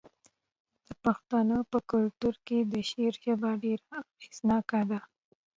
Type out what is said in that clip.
د پښتنو په کلتور کې د شعر ژبه ډیره اغیزناکه ده.